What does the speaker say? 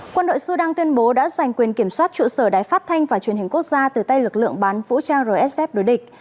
quân đội sudan tuyên bố đã giành quyền kiểm soát trụ sở đài phát thanh và truyền hình quốc gia từ tay lực lượng bán vũ trang rsf đối địch